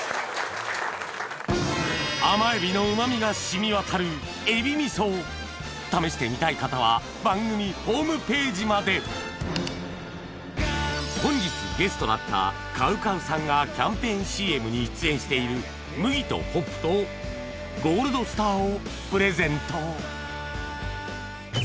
甘エビのうま味が染みわたる海老味噌試してみたい方は番組ホームページまで本日ゲストだったＣＯＷＣＯＷさんがキャンペーンＣＭに出演している「麦とホップ」とＧＯＬＤＳＴＡＲをプレゼント